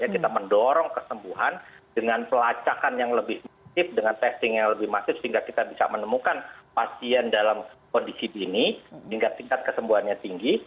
kita mendorong kesembuhan dengan pelacakan yang lebih masif dengan testing yang lebih masif sehingga kita bisa menemukan pasien dalam kondisi dini hingga tingkat kesembuhannya tinggi